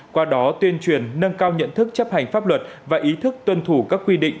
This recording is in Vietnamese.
qua đó tuyên truyền nâng cao nhận thức chấp hành pháp luật và ý thức tuân thủ các quy định